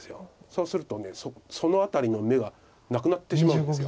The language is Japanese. そうするとその辺りの眼はなくなってしまうんです。